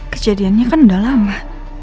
kejadiannya kan udah lama